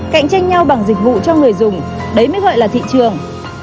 cạnh tranh nhau bằng dịch vụ cho người dùng đấy mới gọi là thị trường